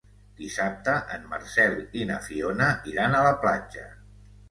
Dissabte en Marcel i na Fiona iran a la platja.